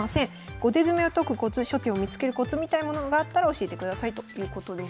５手詰めを解くコツ初手を見つけるコツみたいなものがあったら教えてください」ということです。